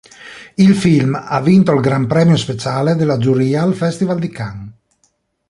Il film ha vinto il gran premio speciale della Giuria al festival di Cannes.